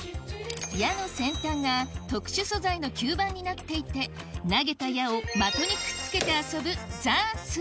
矢の先端が特殊素材の吸盤になっていて投げた矢を的にくっつけて遊ぶザーツ